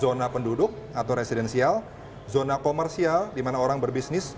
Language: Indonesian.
zona penduduk atau residensial zona komersial di mana orang berbisnis